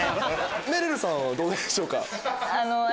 めるるさんはどうでしょうか？